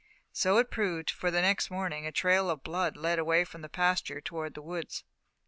So it proved, for the next morning a trail of blood led from the pasture toward the woods.